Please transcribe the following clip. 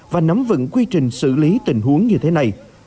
và nắm vững quy trình xử lý tình huống như thế này